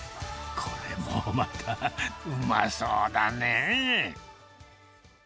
これもまた、うまそうだねー。